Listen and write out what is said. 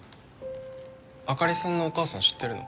あかりさんのお母さん知ってるの？